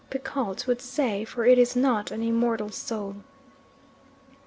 Pichault would say, for it is not an immortal soul.